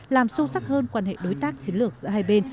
làm sâu sắc hơn quan hệ đối tác chiến lược giữa hai bên